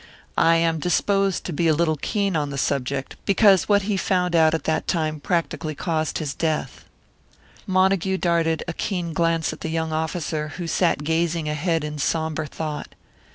I am disposed to be a little keen on the subject, because what he found out at that time practically caused his death." Montague darted a keen glance at the young officer, who sat gazing ahead in sombre thought.